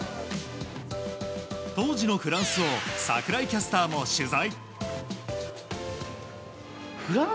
当時のフランスを櫻井キャスターも取材。